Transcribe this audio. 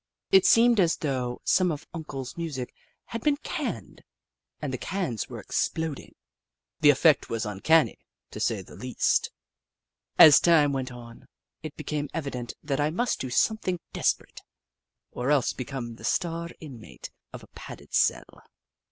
It seemed as though some of Uncle's music had been canned and l6S Jenny Ragtail 169 the cans were exploding. The effect was un canny, to say the least. As time went on, it became evident that I must do something desperate, or else become the star inmate of a padded cell.